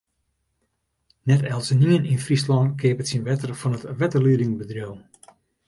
Net eltsenien yn Fryslân keapet syn wetter fan it wetterliedingbedriuw.